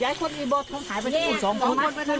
ยายคนที่หายอะไรงานพ่อต้องพี่